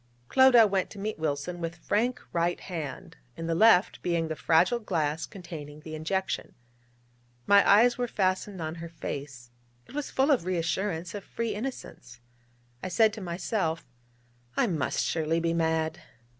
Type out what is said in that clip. Clodagh went to meet Wilson with frank right hand, in the left being the fragile glass containing the injection. My eyes were fastened on her face: it was full of reassurance, of free innocence. I said to myself: 'I must surely be mad!'